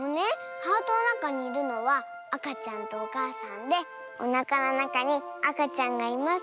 ハートのなかにいるのはあかちゃんとおかあさんでおなかのなかにあかちゃんがいます